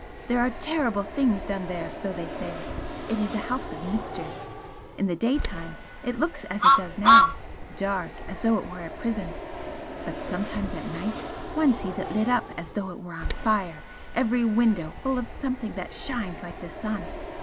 There are terrible things done there, so they say it is a house of mystery! In the daytime it looks as it does now dark, as though it were a prison! but sometimes at night one sees it lit up as though it were on fire every window full of something that shines like the sun!